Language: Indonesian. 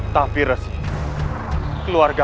tapi rasih keluarga